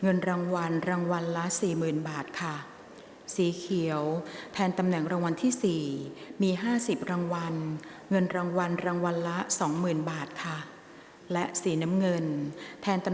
ออกรางวัลที่๓ครั้งที่๔เลขที่ออก